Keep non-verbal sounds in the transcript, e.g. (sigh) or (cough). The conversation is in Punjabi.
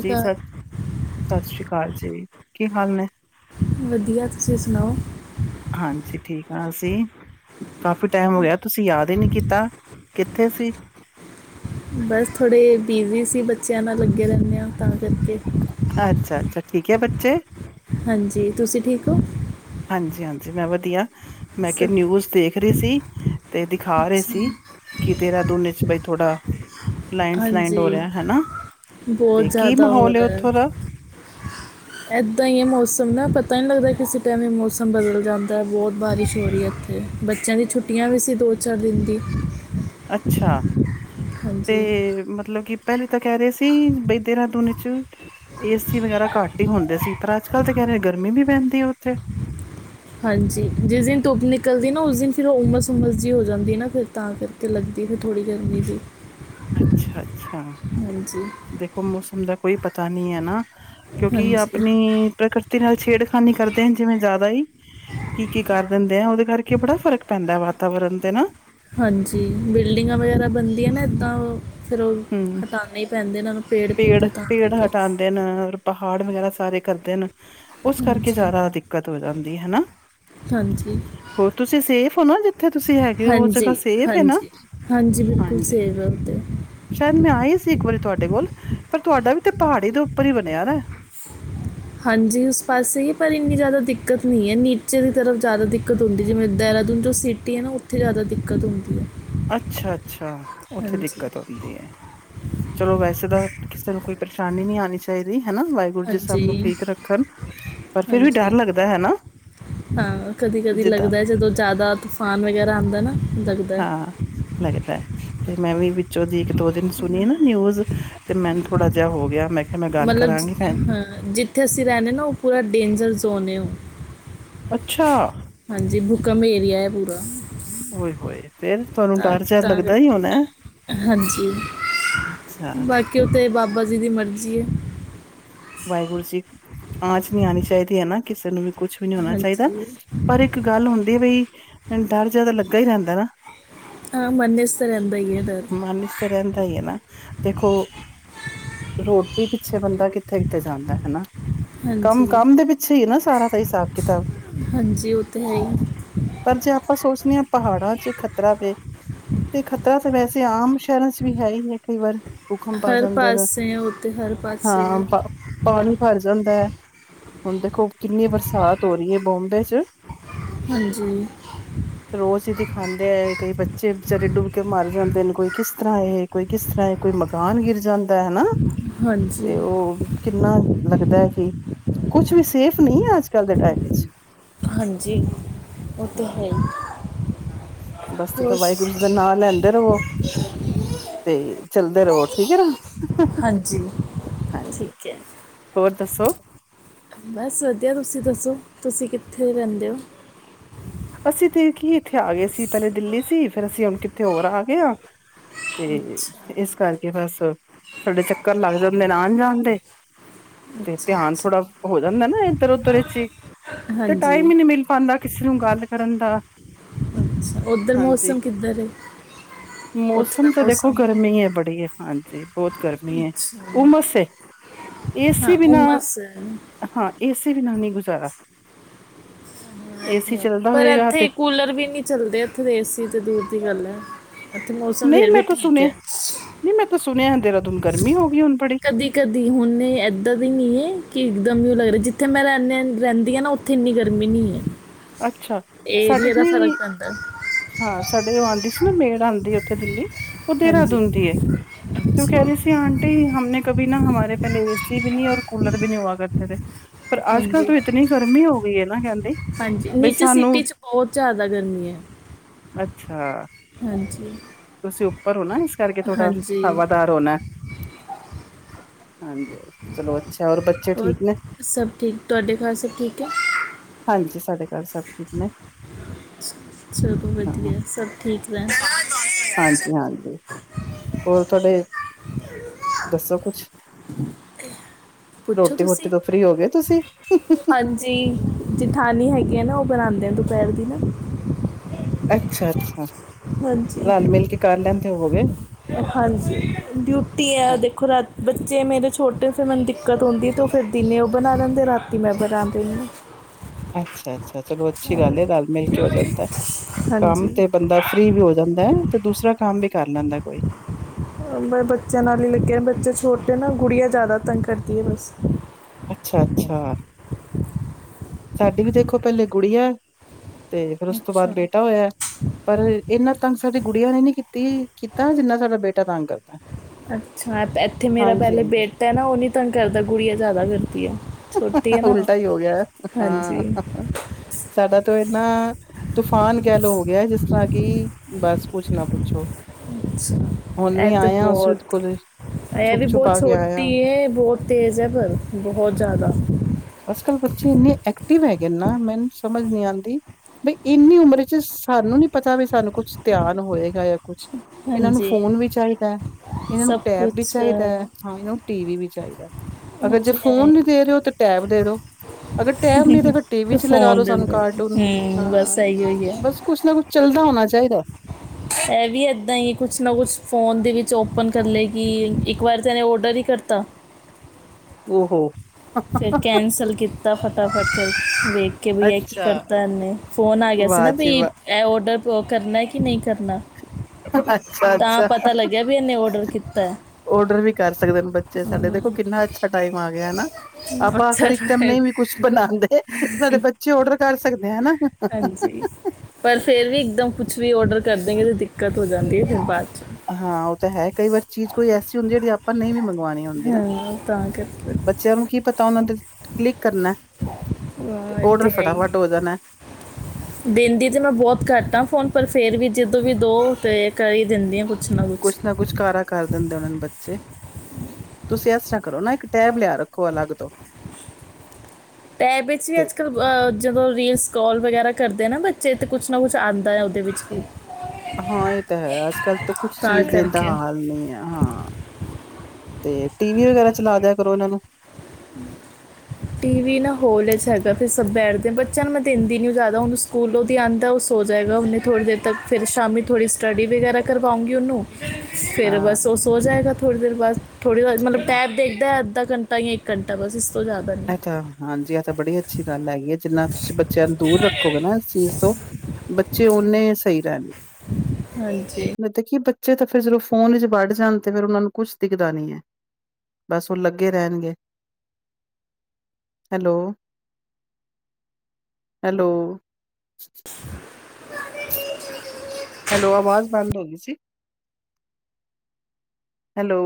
ਜੀ ਸ ਸ਼ਸਰੀ ਅਕਾਲ ਜੀ ਕੀ ਹਾਲ ਨੇ? ਵਧੀਆ ਤੁਸੀਂ ਸੁਣਾਓ? ਹਾਂਜੀ ਠੀਕ ਆ ਅਸੀਂ ਕਾਫੀ ਟਾਈਮ ਹੋ ਗਿਆ ਤੁਸੀਂ ਨੀ ਕੀ ਕੀਤਾ ਕਿੱਥੇ ਸੀ। ਬਸ ਥੋੜੇ ਬਿਜੀ ਸੀ ਬੱਚਿਆਂ ਨਾਲ ਲੱਗੇ ਰਹਿੰਦੇ ਤਾਂ ਕਰਕੇ। ਅੱਛਾ- ਅੱਛਾ ਠੀਕ ਐ ਬੱਚੇ ਹਾਂਜੀ, ਤੁਸੀਂ ਠੀਕ ਹੋ। ਹਾਂਜੀ-ਹਾਂਜੀ ਮੈਂ ਵਧੀਆਂ। ਮੈਂ ਕੇ ਸਭ ਨਿਊਜ ਦੇਖ ਰਹੀ ਸੀ, ਤੇ ਦਿਖਾ ਰਹੇ ਅੱਛਾ। ਸੀ। ਕਿ ਤੇਰਾ ਦੋਨੇ ਚ ਬਈ ਥੋੜਾ ਲੈਨ ਸਲੈਡ ਹਾਂਜੀ ਹੋ ਰਿਹਾ ਆ ਹਨਾ ਤੇ ਕੀ ਮਾਹੌਲ ਹੈ ਉੱਥੋਂ ਦਾ (inaudible) ਇੱਦਾਂ ਹੀ ਹੈ ਮੌਸਮ ਨਾ ਪਤਾ ਨਹੀਂ ਲੱਗਦਾ ਕਿਸੇ ਟਾਈਮ ਮੌਸਮ ਬਦਲ ਜਾਂਦਾ ਬਹੁਤ ਬਾਰਿਸ਼ ਹੋ ਰਹੀ ਹੈ। ਇੱ ਇੱਥੇ ਬੱਚਿਆਂ ਦੀ ਛੁੱਟੀਆਂ ਵੀ ਸੀ ਦੋ ਚਾਰ ਦਿਨ ਦੀ। ਅੱਛਾ, ਹਾਂਜੀ ਤੇ ਮਤਲਬ ਕਿ ਪਹਿਲੇ ਤਾਂ ਕਹਿ ਰਹੇ ਸੀ, ਬਈ ਦੇਰਾਦੂਨ ਚ ਏਸੀ ਵਗੈਰਾ ਘੱਟ ਹੀ ਹੁੰਦੇ ਸੀ, ਪਰ ਅੱਜ-ਕੱਲ੍ਹ ਤਾਂ ਕਹਿ ਰਹੇ ਗਰਮੀ ਪੈਂਦੀ ਉੱਥੇ ਹਾਂਜੀ ਜਿਸ ਦਿਨ ਧੁੱਪ ਨਿਕਲਦੀ ਨਾ, ਉਸ ਦਿਨ ਫਿਰ ਉਹ ਉਮਸ-ਉਮਸ ਜਹੀ ਹੋ ਜਾਂਦੀ ਨਾ ਫਿਰ ਤਾਂ ਕਰਕੇ। ਤੇ ਲੱਗਦੀ ਵੀ ਥੋੜ੍ਹੀ ਗਰਮੀ ਜੇ ਅੱਛਾ ਅੱਛਾ, ਹਾਂਜੀ ਦੇਖੋ ਮੌਸਮ ਦਾ ਕੋਈ ਪਤਾ ਨੀ ਐ ਨਾ, ਕਿਉਂਕਿ ਹਾਂਜੀ ਆਪਣੀ ਪ੍ਰਕ੍ਰਿਤੀ ਨਾਲ ਛੇੜਖਾਨੀ ਕਰਦੇ ਆਂ ਜਿਵੇਂ ਜ਼ਿਆਦਾ ਹੀ, ਕੀ ਕੀ ਕਰ ਦਿੰਦੇ ਆ ਉਹਦੇ ਕਰਕੇ ਬੜਾ ਫ਼ਰਕ ਪੈਂਦਾ ਵਾਤਾਵਰਨ ਤੇ ਨਾ, ਹਾਂਜੀ ਬਿਲਡਿੰਗਾਂ ਵਗੈਰਾ ਬਣਦੀਆਂ ਨਾ ਇੱਦਾਂ ਫਿਰ ਉਹ ਹੂੰ ਹਟਾਣੇ ਹੀ ਪੈਂਦੇ ਇਹਨਾਂ ਨੂੰ, ਪੇੜ ਪੌਧੇ ਤਾਂ ਕਰਕੇ। ਦਿਨ ਪਹਾੜ ਵਗੈਰਾ ਸਾਰੇ ਕਰਦੇ ਨ। ਉਸ ਕਰਕੇ ਹਾਂਜੀ ਜ਼ਿਆਦਾ ਦਿੱਕਤ ਹੋ ਜਾਂਦੀ ਹੈਨਾ। ਹਾਂਜੀ। ਹੋਰ ਤੁਸੀਂ ਸੇਫ ਹੋ ਨਾ ਜਿੱਥੇ ਤੁਸੀ ਹੈਗੇ ਹੋ, ਉਹ ਜਗ੍ਹਾਹ ਹਾਂਜੀ ਸੇਫ ਹੈ ਨਾ ਹਾਂਜੀ ਹਾਂਜੀ ਬਿਲਕੁਲ ਹਾਂਜੀ। ਸੇਵ ਹੈ ਉੱਤੇ ਸ਼ਾਇਦ ਮੈਂ ਆਈ ਸੀ ਇੱਕ ਵਾਰੀ ਤੁਹਾਡੇ ਕੋਲ, ਪਰ ਤੁਹਾਡਾ ਵੀ ਤੇ ਪਹਾੜੀ ਦੇ ਉੱਪਰ ਹੀ ਬਣਿਆ ਦਾ ਏ, ਹਾਂਜੀ ਉਸ ਪਾਸੇ ਹੀ ਪਰ ਇੰਨੀ ਜ਼ਿਆਦਾ ਦਿੱਕਤ ਨਹੀਂ ਹੈ ਨੀਚੇ ਦੀ ਤਰਫ ਜ਼ਿਆਦਾ ਦਿੱਕਤ ਹੁੰਦੀ ਜਿਵੇਂ ਦੇਹਿਰਾਦੂਨ ਜੋੋਂ ਸੀਟੀ ਸੀਟੀ ਹੈ ਨਾ ਉੱਥੇ ਜ਼ਿਆਦਾ ਦਿੱਕਤ ਹੁੰਦੀ ਹੈ। ਅੱਛਾ ਅੱਛਾ, ਉੱਥੇ ਹਾਂਜੀ ਦਿੱਕਤ ਹੋ ਹੁੰਦੀ ਐ, ਚਲੋ ਵੈਸੇ ਤਾਂ ਕਿਸੇ ਨੂੰ ਕੋਈ ਪਰੇਸ਼ਾਨੀ ਨਹੀਂ ਆਣੀ ਚਾਹੀਦੀ ਹੈਨਾ ਵਾਹਿ ਗੁਰੂ ਜੀ ਸਬ ਨੂੰ ਹਾਂਜੀ ਠੀਕ ਰੱਖਣ, ਪਰ ਫਿਰ ਵੀ ਡਰ ਹਾਂਜੀ ਲੱਗਦਾ ਹੈਨਾ। ਹਾਂ ਕਦੀ ਕਦੀ ਲੱਗਦਾ ਜਦੋਂ ਜ਼ਿਆਦਾ ਤੂਫਾਨ ਵਗੈਰਾ ਆਦਾ ਐ ਨਾ। ਲੱਗਦਾ ਹੈ। ਹਾਂ ਲੱਗਦਾ ਐ, ਤੇ ਮੈਂ ਵੀ ਵਿੱਚੋ ਦੀ ਇੱਕ ਦੋ ਦਿਨ ਸੁਣੀ ਨਾ ਨਿਊਜ। ਤੇ ਮੈਨੂੰ ਥੋੜਾ ਜਿਹਾ ਹੋ ਗਿਆ, ਮੈਂ ਕਿਹਾ ਮੈਂ ਗੱਲ ਮਤਲਬ ਜਿ- ਕਰਾਂਗੀ ਮੈਂ ਭੈਣ, ਜਿੱਥੇ ਅਸੀਂ ਰਹਿੰਦੇ ਨਾ ਉਹ ਪੂਰਾ ਡੇਂਜਰ ਜ਼ੋਨ ਐ ਉਹ, ਅੱਛਾ ਹਾਜੀ ਬੁੱਕਮ ਏਰੀਆ ਐ ਪੂਰਾ ਉਏ ਹੋਏ ਫਿਰ ਤੁਹਾਨੂੰ ਤਾਂ ਡਰ ਜੇਆ ਤਾਂ ਲੱਗਦਾ ਈ ਕਰ- ਹੋਣਾ ਐ, ਅੱਛਾ, ਕਿ ਉੱਤੇੇ ਬਾਬਾ ਜੀ ਦੀ ਮਰਜ਼ੀ ਐ, ਵਾਹਿਗੁਰੂ ਜੀ ਆਚ ਨ ਆਣੀ ਚਾਹੀਦੀ ਹੈਨਾ, ਕਿਸੇ ਨੂੰ ਵੀ ਕੁਛ ਵੀ ਨੀ ਹੋਣਾ ਚਾਹੀਦਾ, ਹਾਂਜੀ ਪਰ ਇੱਕ ਇੱਕ ਗੱਲ ਹੁੰਦੀ ਬਈ ਡਰ ਜਿਆਦਾ ਤਾ ਲੱਗਾ ਹੀ ਰਹਿੰਦਾ ਨਾ, ਹਾ ਮਨ ਇਚ ਤਾਂ ਰਹਿੰਦਾ ਹੀ ਐ ਡਰ, ਮਨ ਚ ਰਹਿੰਦਾ ਹੀ ਹੈ ਨਾ ਦੇਖੋ ਰੋਟੀ ਪਿੱਛੇ ਬੰਦਾ ਕਿੱਥੇ, ਕਿੱਥੇ ਜਾਂਦਾ, ਹੈਨਾ। ਕੰਮ ਹਾਂਜੀ ਕੰਮ ਦੇ ਪਿੱਛੇ ਹੀ ਏ ਨਾ ਸਾਰਾ ਤਾਂ ਹਿਸਾਬ ਕਿਤਾਬ, ਹਾਂਜੀ ਉਹ ਤੇ ਹੈ ਹੀ ਪਰ ਜੇ ਆਪਾਂ ਸੋਚਨੇ ਆਂ ਪਹਾੜਾਂ ਚ ਖ਼ਤਰਾ ਵੇ, ਤੇ ਖ਼ਤਰਾ ਤਾਂ ਵੈਸੇ ਆਮ ਸ਼ਹਿਰਾਂ ਚ ਵੀ ਹੈ ਈ ਕਈ ਵਾਰ ਭੁੱਖਮ ਆ ਹਰ ਜਾਂਦੇ ਨ, ਪਾਸੇ ਹੈ, ਉਹ ਤੇ ਹਰ ਪਾਸੇ ਹਾਂ ਹੈ। ਪਰ ਪਾਣੀ ਭਰ ਜਾਂਦਾ ਐ, ਹੁਣ ਦੇਖੋ ਕਿੰਨੀ ਬਰਸਾਤ ਹੋ ਰਹੀ ਐ ਬੰਬੇ 'ਚ' ਹਾਂਜੀ। ਰੋਜ਼ ਹੀ ਦਿਖਾਉਂਦੇ ਐ ਕਈ ਬੱਚੇ ਵਿਚਾਰੇ ਡੁੱਬ ਕੇ ਮਰ ਜਾਂਦੇ ਨੇ, ਕੋਈ ਕਿਸ ਤਰ੍ਹਾਂ ਇਹ ਕੋਈ ਕਿਸ ਤਰ੍ਹਾਂਹ ਐ, ਕੋਈ ਮਕਾਨ ਗਿਰ ਜਾਂਦਾ ਹੈਨਾ, ਹਾਂਜੀ ਤੇ ਉਹ ਕਿੰਨਾ ਲੱਗਦਾ ਐ ਕਿ ਕੁਛ ਵੀ ਸੇਫ ਨਹੀਂ ਐ ਅੱਜ-ਕੱਲ ਦੇ ਟਾਈਮ ਵਿੱਚ ਹਾਂਜੀ ਉਹ ਤੇ ਹਾਂ ਹੈ ਈ ਹਾਂ, ਬਸ ਚ ਤਾਂ ਵਾਹਿਗੁਰੂ ਜੀ ਦਾ ਨਾਂ ਲੈਂਦੇ ਰਵੋ ਤੇ ਚਲਦੇ ਰਵੋ ਠੀਕ ਐ ਨਾ ਤੁਸੀ ਹਾਂਜੀ ਠੀਕ ਕੇਹਾ ਐ। ਹੋਰ ਦੱਸੋ‌ ਬਸ ਵਧੀਆ ਤੁਸੀਂ ਦੱਸੋ, ਤੁਸੀਂ ਕਿੱਥੇ ਰਹਿੰਦੇ ਹੋ? ਅਸੀਂ ਤੇ ਕੀ ਇੱਥੇ ਆ ਗਏ ਸੀ, ਪਹਿਲੇ ਦਿੱਲੀ ਸੀ ਫਿਰ ਅਸੀਂ ਹੁਣ ਕਿੱਥੇ ਹੋਰ ਆ ਗਏ। ਤੇ ਅੱਛਾ ਇਸ ਕਰਕੇ ਬਸ ਆ ਤੁਹਡੇ ਚੱਕਰ ਲੱਗ ਜਾਂਦੇ ਨਾ ਆਣ ਜਾਣ ਦੇ ਏ ਤੇ ਅੱਛਾ ਧਿਆਨ ਅੱਛਾ ਥੋੜਾ ਹੋ ਜਾਂਦਾ ਨਾ ਇੱਧਰ ਉਧਰ ਚ ਈ ਤੇ ਹਾਂਜੀ ਟਾਈਮ ਹੀ ਨਹੀਂ ਮਿਲ ਪਾਉਂਦਾ ਕਿਸੇ ਨੂੰ ਗੱਲ ਕਰਨ ਦਾ ਆ ਅੱਛਾ ਆ ਉੱਧਰ ਮੌਸਮ ਕਿੱਧਰ ਏ ਮੌਸਮ ਤੋ ਦੇਖੋ ਗਰਮੀ ਐ ਬੜੀ ਹਾਂਜੀ ਈ ਬਹੁਤ ਗਰਮੀ ਐ ਅੱਛਾ ਉਮਸ ਏ ਏ ਸੀ ਹਾਂ ਬਿਨਾਂ ਉਮਸ ਹੈ ਹਾਂ, ਆ ਏ ਸੀ ਵੀਨਾ ਨਹੀਂ ਗੁਜ਼ਾਰਾ ਆ ਐਥੇ ਏ ਚੱਲਦਾ ਪਰ ਹੋਏਗਾ ਤੇ ਇੱਥੇ ਕੂਲਰ ਵੀ ਨੀ ਚੱਲਦੇ ਇੱਥੇ ਏ ਸੀ ਤੇ ਦੂਰ ਦੀ ਗੱਲ ਐ ਨਹੀਂ ਮੈਂ ਕੂ ਸੁਣਿਆ ਨਹੀਂ ਮੈਂ ਕੂ ਸੁਣਿਆ ਦੇਰਾਦੂਨ ਗਰਮੀ ਹੋ ਗਈ ਬੜੀ ਕਦੀ ਕਦੀ ਹੁਣ ਐਦਾਂ ਵੀ ਨਹੀਂ ਐ ਕਿ ਇੱਕਦਮ ਉਹ ਲੱਗਦਾ ਐ ਜਿੱਥੇ ਮੈਂ ਰਹਿੰਦੀ ਰਹਿੰਦੀ ਹਾਂ ਨਾ ਉੱਥੇ ਇੰਨੀ ਗਮਮੀ ਦਾ ਮਿਨੀ ਅੱਛਾ ਐ ਸਾਡੇ ਏਰੀਏ ਦਾ ਫ਼ਰਕ ਕੀ ਪੈਂਦਾ ਐ ਹਾਂ ਸਾਡੇ ਉਹ ਆਦੀ ਸੀ ਨਾ ਮੇਡ ਆਦੀ ਉੱਥੇ ਦਿੱਲੀ ਈ ਉਹ ਹਾਂਜੀ ਦੇਹਰਾਦੂਨ ਦੀ ਏ ਤੇ ਉਹ ਅੱਛਾ ਕਹਿ ਰਹੀ ਸੀ ਆਂਟੀ ਹਮ ਨੇ ਕਬੀ ਨਾ ਹਮਾਰੇ ਪਹਿਲੇ ਏ ਸੀ ਵੀ ਨਹੀਂ ਔਰ ਕੂਲਰ ਵੀ ਨਹੀਂ ਹੁਆ ਕਰਦੇੇ ਥੇ ਏ ਪਰ ਅੱਜ ਕੱਲ੍ਹ ਹਾਂਜੀ ਤੋਂ ਇਤਨੀ ਗਰਮੀ ਹੋ ਗਈ ਐ ਨਾ ਕਹਿੰਈ ਹਾਂਜੀ ਨੀਚੇ ਸਿਟੀ ਚ ਬਹੁਤ ਜ਼ਿਆਦਾ ਗਰਮੀ ਐ ਅੱਛਾ ਹਾਂਜੀ ਈ ਤੁਸੀਂ ਉੱਪਰ ਹੋ ਨਾ ਇਸ ਕਰਕੇ ਥੋੜਾ ਹਾਂਜੀ ਹਵਾਦਾਰ ਹੋਣਾ ਐ ਹਾਂਜੀ ਈ ਚਲੋ ਅੱਛਾ ਔਰ ਬਚ ਔਰ ਸਭ ਠੀਕ ਐ ਤੁਹਾਡੇ ਘਰ ਸਭ ਠੀਕ ਐ ਹਾਂਜੀ ਈ ਸਾਡੇ ਘਰ ਸਭ ਠੀਕ ਨੇ ਚੱਲੋ ਹਾਂ ਵਧੀਆ ਐ ਸਭ ਠੀਕ ਰਹਿਣ ਹਾਂਜੀ ਈ ਹਾਂਜੀ ਈ ਹੋਰ ਤੁਹਾਡੇ ਏ ਦੱਸੋ ਕੁਛ ਪੁੱਛੋ ਰੋਟੀ ਵੋਟੀ ਤੁਸੀਂ ਤੋਂ ਫਰੀ ਹੋ ਗਏ ਤੁਸੀਂ ਈ ਜੀ ਈ ਜੇਠਾਨੀ ਹੈਗੀ ਐਂ ਨਾ ਉਹ ਬਣਾਉਂਦੇ ਦੁਪਹਿਰ ਦੀ ਨਾ ਅੱਛਾ ਆ ਅੱਛਾ ਆ ਹਾਂਜੀ ਈ ਹਾਂਜੀ ਈ ਡਿਊਟੀ ਐ ਹਾਂ ਦੇਖੋ ਰਾਤ ਬੱਚੇ ਮੇਰੇ ਛੋਟੇ ਏ ਫੇਰ ਮੈਨੂੰ ਦਿਕਤ ਦਿੱਕਤ ਹੁੰਦੀ ਐ ਉਹ ਫਿਰ ਦਿਨੇ ਉਹ ਬਣਾ ਲੈਂਦੇ ਰਾਤੀ ਮੈਂ ਬਣਾਉਂਣਾ ਦੇਨੀ ਆ ਅੱਛਾ ਆ ਅੱਛਾ ਆ ਚਲੋ ਅੱਛੀ ਗੱਲ ਏ ਰਲ ਮਿਲ ਕੇ ਹੋ ਜਾਂਦਾ ਐ ਕੰਮ ਹਾਂਜੀ ਤੇ ਬੰਦਾ ਫਰੀ ਵੀ ਹੋ ਜੇ ਗੰਦਾ ਐ ਤੇ ਦੂਸਰਾ ਕੰਮ ਵੀ ਕਰ ਲੈਂਦਾ ਕੋਈ ਹਾ ਮੈ ਬੱਚਿਆਂ ਨਾਲ ਹੀ ਲੱਗੇ ਬੱਚੇ ਛੋਟੇ ਨਾ ਗੁੜੀਆਂ ਜ਼ਿਆਦਾ ਤੰਗ ਕਰਦੀ ਐ ਬਸ ਅੱਛਾ ਆ ਅੱਛਾ ਆ ਸਾਡੀ ਵੀ ਦੇਖੋ ਓ ਪਹਿਲੇ ਗੁੜੀ ਆ ਤੇ ਫਿਰ ਉਸ ਤੋਂ ਬਾਅਦ ਅੱਛਾ ਬੇਟਾ ਹੋਇਆ ਐ ਪਰ ਇੰਨਾ ਤੰਗ ਸਾਡੇ ਗੁਡੀਆਂ ਨੇ ਨੀ ਕੀਤੀ ਕੀਤਾ ਜਿੰਨਾ ਸਾਡਾ ਬੇਟਾ ਤੰਗ ਕਰਦਾ ਐ ਅੱਛਾ ਇੱਥੇ ਮੇਰਾ ਆ ਪਹਿਲੇ ਬੇਟਾ ਆ ਨਾ ਉਹ ਨੀ ਤੰਗ ਕਰਦਾ ਗੁਡੀਆਂ ਜ਼ਿਆਦਾ ਕਰਦੀ ਆ ਹਾ ਹਾ ਉਲਟਾ ਈ ਹੋ ਗਿਆ ਹਾਂ ਸਾਡਾ ਤੋਂ ਇਹਨਾ ਆ ਤੂਫਾਨ ਕਹਿ ਲਓ ਹੋ ਗਿਆ ਜਿਸ ਤਰ੍ਹਾਂ ਕਿ ਬਸ ਕੁਛ ਨਾ ਪੁੱਛੋ ਓ ਐ ਤੇ ਬਹੁਤ ਉਹਦੇ ਕੋਲ ਐ ਛੁਪ ਵੀ ਬਹੁਤ ਛੁਪਾ ਕੇ ਛੋਟੀ ਆਇਆ ਏ ਬਹੁਤ ਤੇਜ਼ ਏ ਪਰ ਬਹੁਤ ਜ਼ਿਆਦਾ ਅੱਜ ਕੱਲ੍ਹ ਬੱਚੇ ਇੰਨੇ ਐਕਟਿਵ ਹੈਗੇ ਨਾ ਮੈਨੂੰ ਸਮਝ ਨਹੀਂ ਆਦੀ ਈ ਬਾਈ ਇੰਨੀ ਉਮਰ ਚ ਸਾਨੂੰ ਨੀ ਪਤਾ ਵੀ ਸਾਨੂੰ ਕੁਛ ਤਿਆਰ ਹੋਏਗਾ ਜਾਂ ਕੁਛ ਇਹਨਾਂ ਨੂੰ ਹਾਂਜੀ, ਫੋਨ ਵੀ ਚਾਹੀਦਾ ਐ ਇਹਨਾਂ ਨੂੰ ਸਭ ਟੈਬ ਕੁਝ ਵੀ ਚਾਹੀਦਾ ਐ ਸਾਮ ਨੂੰ ਟੀ ਵੀ ਵੀ ਚਾਹੀਦਾ ਆ ਉਹ ਅਗਰ ਜੇ ਤੇ ਹੈ ਹੀ। ਫੋਨ ਨਹੀਂ ਦੇ ਰਹੇ ਓ ਤਾਂ ਟੈਬ ਦੇ ਦੋ ਓ ਅਗਰ ਟੈਮ ਨਹੀਂ ਤੇ ਫਿਰ ਟੀ ਵੀ 'ਚ ਲਗਾ ਫੋਨ ਦੋ ਦੇ ਸਾਨੂੰ ਕਾਰਟੂਨ ਹੂੰ ਬਸ ਹਾਂ ਇਹੀ ਹੋਈ ਹੈ। ਬਸ ਕੁਛ ਨਾ ਕੁੱਛ ਚੱਲਦਾ ਹੋਣਾ ਚਾਹੀਦੈ। ਇਹ ਵੀ ਇੱਦਾਂ ਹੀ ਕੁਛ ਨਾ ਕੁਛ ਫ਼ੋਨ ਦੇ ਵਿੱਚ ਓਪਨ ਕਰ ਲਏਗੀ ਕਿ ਇੱਕ ਵਾਰ ਤਾਂ ਇਹਨੇ ਔਡਰ ਹੀ ਕਰਤਾ। ਉਹੋ ਫਿਰ ਕੈਂਸਲ ਕੀਤਾ ਫਟਾਫਟ ਵੇਖ ਕੇ ਵੀ ਐ ਕੀ ਅੱਛਾ ਕਰਤਾ ਇਹਨੇ ਫੋਨ ਆ ਗਿਆ ਸੀ ਵਾਹ ਨਾ ਬੀ ਜੀ ਵਾਹ ਇਹ ਔਡਰ ਪਰੋ ਕਰਨਾ ਕਿ ਨਹੀਂ ਕਰਨਾ। ਅੱਛਾ ਤਾਂ ਅੱਛਾ ਪਤਾ ਲੱਗਿਆ ਵੀ ਇਹਨੇ ਔਡਰ ਕੀਤੈ। ਔਡਰ ਵੀ ਕਰ ਸਕਦੇ ਨੇ ਬੱਚੇ ਸਾਡੇ ਦੇਖੋ ਕਿੰਨਾ ਅੱਛਾ ਟਾਈਮ ਆ ਗਿਆ ਨਾ। ਆਪਾਂ ਅੱਛਾ ਫੇਰ ਇੱਕ ਟਾਈਮ ਡਰਾਈਵ ਨਹੀਂ ਵੀ ਕੁਛ ਬਣਾਉਂਦੇ ਸਾਡੇ ਬੱਚੇ ਔਡਰ ਕਰ ਸਕਦੇ ਹੈ ਹਨਾ। ਜੀ ਪਰ ਫਿਰ ਵੀ ਇੱਕਦਮ ਕੁਛ ਵੀ ਔਡਰ ਕਰ ਦਿਆਗੇ ਤਾਂ ਦਿੱਕਤ ਹੋ ਜਾਂਦੀ ਹੈ ਫਿਰ ਬਾਅਦ ਚੋ ਹਾਂ ਉਹ ਤਾਂ ਹੈ ਕਈ ਵਾਰ ਚੀਜ਼ ਕੋਈ ਐਸੀ ਹੁੰਦੀ ਜਿਹੜੀ ਆਪਾਂ ਨਹੀਂ ਵੀ ਮੰਗਵਾਉਣੀ ਹੁੰਦੀ ਨਾ। ਹਾਂ ਤਾਂ ਕਰ ਫਿਰ ਬੱਚਿਆਂ ਨੂੰ ਕੀ ਪਤਾ ਉਹਨਾਂ ਦੇ ਕਲਿੱਕ ਕਰਨਾ ਤੇ ਔਡਰ ਫਟਾਫਟ ਹੋ ਜਾਣੈ। (inaudible) ਦੇੰਦੀ ਤੇ ਮੈਂ ਬਹੁਤ ਘੱਟ ਆ ਫੋਨ ਪਰ ਫੇਰ ਵੀ ਜਦੋਂ ਵੀ ਦੋ ਤੇ ਕਰ ਹੀ ਦਿੰਦੀ ਆ ਕੁਛ ਕੁਛ ਨਾ ਕੁਛ ਕਾਰਾ ਕਰ ਦਿੰਦੇ ਹੋਣੇ ਨੇ ਬੱਚੇ ਤੁਸੀਂ ਇਸ ਤਰ੍ਹਾਂ ਕਰੋ ਨਾ ਇੱਕ ਟੈਬ ਲਿਆ ਰੱਖੋ ਅਲੱਗ ਤੋਂ ਟੈਬ ਵਿੱਚ ਵੀ ਤੇ ਅੱਜ-ਕੱਲ ਅ ਜਦੋਂ ਰੀਲਸ ਸਕੋਲ ਵਗੈਰਾ ਕਰਦੇ ਨਾ ਬੱਚੇ ਤਾਂ ਕੁਛ ਨਾ ਕੁਛ ਆਉਂਦਾ ਹੈ ਉਹਦੇ ਵਿੱਚ ਵੀ ਹਾਂ ਇਹ ਤਾਂ ਹੈ ਅੱਜ ਕੱਲ੍ਹ ਕੁਛ ਤਾਂ ਚੀਜ਼ ਦੇਣ ਦਾ ਕਰਕੇ ਹਾਲ ਨਹੀਂ ਹੈ ਹਾਂ। ਤੇ ਟੀ ਵੀ ਵਗੈਰਾ ਚਲਾ ਦਿਆ ਕਰੋ ਇਹਨਾਂ ਨੂੰ ਟੀ ਵੀ ਨਾ ਹੋਲ ਚ ਹੈਗਾ ਫਿਰ ਸਭ ਬੈਠਦੇ ਬੱਚਿਆਂ ਨੂੰ ਮੈਂ ਦਿੰਦੀ ਨੀ ਜ਼ਿਆਦਾ ਸਕੂਲੋਂ ਦੀ ਆਉਂਦਾ ਉਹ ਸੌ ਜਾਏਗਾ ਉਹਨੇ ਥੋੜ੍ਹੀ ਦੇਰ ਤੱਕ ਫਿਰ ਸ਼ਾਮੀ ਥੋੜ੍ਹੀ ਸਟੱਡੀ ਵਗੈਰਾ ਕਰਵਾਉਂਗੀ ਉਹਨੂੰ ਫੇਰ ਬਸ ਹਾਂ। ਉਹ ਸੌ ਹੋ ਜਾਏਗਾ ਥੋੜ੍ਹੀ ਬਾਅਦ ਥੋੜ੍ਹੀ ਮਤਲਬ ਟੈਬ ਦੇਖਦਾ ਅੱਧਾ ਘੰਟਾ ਹੀ ਘੰਟਾ ਬਸ ਇਸ ਤੋਂ ਜ਼ਿਆਦਾ ਨੀਂ। ਇਹ ਤਾਂ ਹਾਂਜੀ ਇਹ ਤਾਂ ਬੜੀ ਅੱਛੀ ਗੱਲ ਹੈਗੀ ਹੈ ਜਿੰਨਾ ਤੁਸੀਂ ਬੱਚਿਆਂ ਨੂੰ ਦੂਰ ਰੱਖੋਗੇ ਨਾ ਇਸ ਚੀਜ਼ ਤੋਂ ਬੱਚੇ ਓਨੇ ਸਹੀ ਰਹਿਣਗੇ। ਹਾਂਜੀ। ਮਤਬ ਕੀ ਬੱਚੇ ਤਾਂ ਫ਼ਿਰ ਜਦੋਂ ਫੋਨ ਵਿੱਚ ਵੱੜ ਜਾਣ ਤੇ ਫੇਰ ਉਹਨਾ ਨੂੰ ਕੁਝ ਦਿਖਦਾ ਨੀ ਹੈ। ਬਸ ਉਹ ਲੱਗੇ ਰਹਿਣਗੇ। ਹੈਲੋ, ਹੈਲੋ ਹੈਲੋ ਆਵਾਜ਼ ਬੰਦ ਹੋ ਗੀ ਸੀ। ਹੈਲੋ